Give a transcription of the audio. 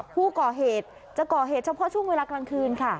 ผู้ก่อเหตุจะก่อเหตุเฉพาะช่วงเวลากลางคืนค่ะ